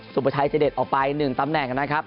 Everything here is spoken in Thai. สุภไทยเฉดดออกไป๑ตำแหน่งนะครับ